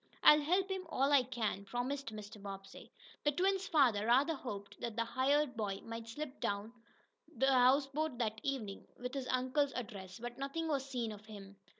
"I'll help him all I can," promised Mr. Bobbsey. The twins' father rather hoped that the hired boy might slip down to the houseboat that evening, with his uncle's address, but nothing was seen of him.